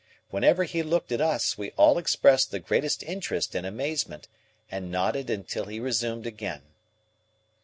Whenever he looked at us, we all expressed the greatest interest and amazement, and nodded until he resumed again.